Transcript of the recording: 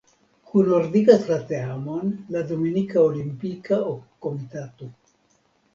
Kunordigas la teamon la Dominika Olimpika Komitato.